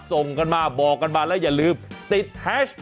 ส่งกันมาบอกกันมาแล้วอย่าลืมติด